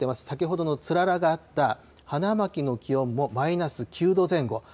先ほどのつららがあった、花巻の気温もマイナス９度前後。